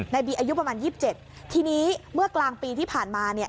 บีอายุประมาณ๒๗ทีนี้เมื่อกลางปีที่ผ่านมาเนี่ย